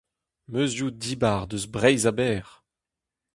Meuzioù dibar eus Breizh a-bezh.